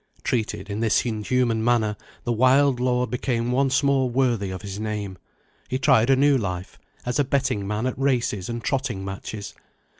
Treated in this inhuman manner, the wild lord became once more worthy of his name. He tried a new life as a betting man at races and trotting matches.